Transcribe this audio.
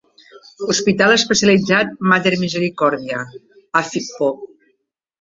Hospital especialitzat Mater Misericordia, Afikpo.